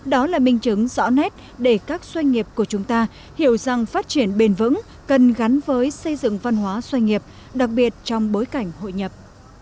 đó là minh chứng rõ nét để các doanh nghiệp của chúng ta hiểu rằng phát triển bền vững cần gắn với xây dựng văn hóa doanh nghiệp đặc biệt trong bối cảnh hội nhập